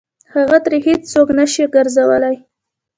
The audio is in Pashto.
هغه ترې هېڅ څوک نه شي ګرځولی.